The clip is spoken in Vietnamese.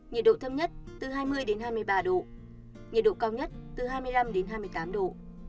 nhiệt độ thấp nhất từ hai mươi hai mươi ba độ nhiệt độ cao nhất từ hai mươi năm hai mươi tám độ